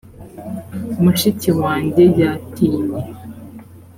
mushiki wanjye yatinye.